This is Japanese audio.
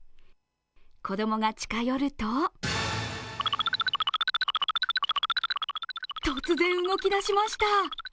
子供が近寄ると突然動き出しました。